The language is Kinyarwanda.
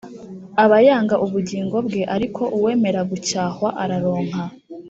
Aba yanga ubugingo bwe ariko uwemera gucyahwa aronka